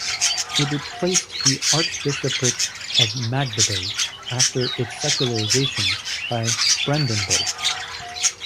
It replaced the Archbishopric of Magdeburg after its secularization by Brandenburg.